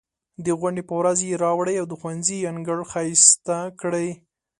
د غونډې په ورځ یې راوړئ او د ښوونځي انګړ ښایسته کړئ.